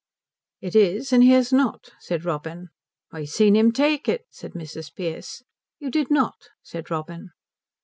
"It is, and he has not," said Robin. "I see him take it," said Mrs. Pearce. "You did not," said Robin.